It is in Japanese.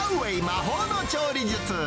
魔法の調理術！